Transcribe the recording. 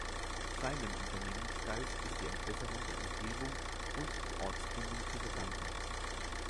Seinem Unternehmungsgeist ist die Entwässerung der Umgebung und die Ortsgründung zu verdanken.